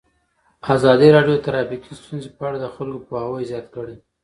ازادي راډیو د ټرافیکي ستونزې په اړه د خلکو پوهاوی زیات کړی.